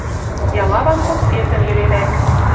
Ялаван конфетӹм йӹлерӓк.